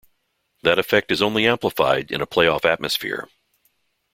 That effect is only amplified in a playoff atmosphere.